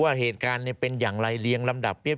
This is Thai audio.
ว่าเหตุการณ์เป็นอย่างไรเรียงลำดับเรีย